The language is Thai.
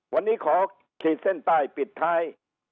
วันนี้ขอขีดเส้นใต้ปิดท้าย